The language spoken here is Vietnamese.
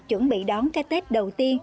chuẩn bị đón ca tết đầu tiên